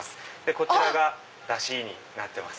こちらがダシになってます。